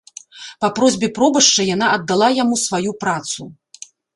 Па просьбе пробашча яна аддала яму сваю працу.